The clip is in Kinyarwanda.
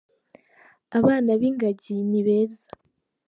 Abana b'ingagi ni beza.